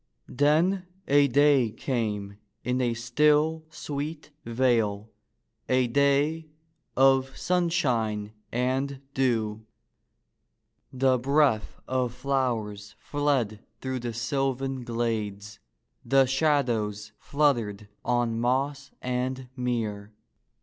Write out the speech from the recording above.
Then a day came in a still, sweet vale, a day of sun shine and dew. The breath of flowers fled through the sylvan glades, the shadows fluttered on moss and mere.